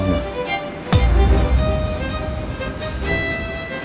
iya terus gimana sama mama